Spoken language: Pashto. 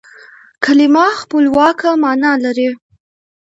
کلیمه خپلواکه مانا لري.